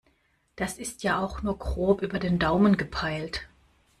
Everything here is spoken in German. Das ist ja auch nur grob über den Daumen gepeilt.